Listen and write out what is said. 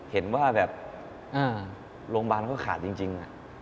เห็นว่าโรงพยาบาลก็ขาดจริง